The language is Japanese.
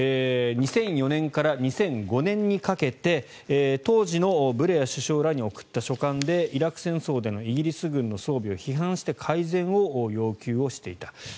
２００４年から２００５年にかけて当時のブレア首相らに送った書簡でイラク戦争でのイギリス軍の装備を批判して改善を要求していた。